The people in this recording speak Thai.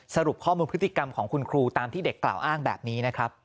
สรุปข้อมูลพฤติกรรมของคุณครูตามที่เด็กกล่าวอ้างแบบนี้นะครับ